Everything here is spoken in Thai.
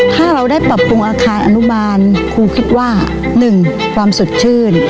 ถ้าเราได้ปรับปรุงอาคารอนุบาลครูคิดว่า๑ความสดชื่น